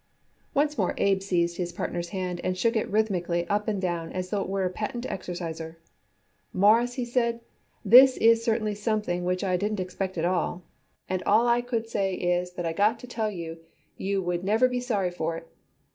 Once more Abe seized his partner's hand and shook it rhythmically up and down as though it were a patent exerciser. "Mawruss," he said, "this is certainly something which I didn't expect at all, and all I could say is that I got to tell you you would never be sorry for it.